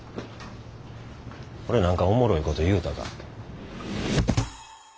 俺何かおもろいこと言うたか？